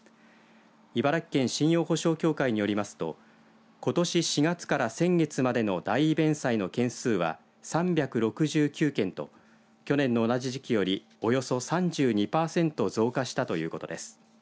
茨城県信用保証協会によりますとことし４月から先月までの代位弁済の件数は３６９件と去年の同じ時期よりおよそ３２パーセント増加したということです。